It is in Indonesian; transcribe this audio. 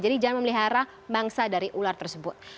jadi jangan memelihara mangsa dari ular tersebut